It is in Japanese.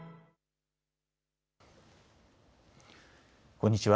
こんにちは。